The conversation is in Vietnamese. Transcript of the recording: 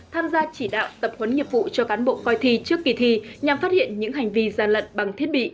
tham gia chỉ đạo tập huấn nghiệp vụ cho cán bộ coi thi trước kỳ thi nhằm phát hiện những hành vi gian lận bằng thiết bị